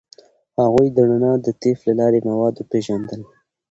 هغوی د رڼا د طیف له لارې مواد وپیژندل.